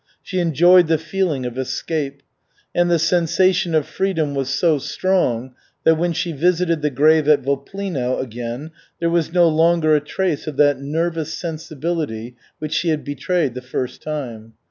She enjoyed the feeling of escape. And the sensation of freedom was so strong that when she visited the grave at Voplino again there was no longer a trace of that nervous sensibility which she had betrayed the first time.